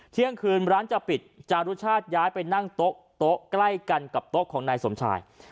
เที่ยงคืนร้านจะปิดจารุชาติย้ายไปนั่งโต๊ะใกล้กันกับโต๊ะของนายสมชาย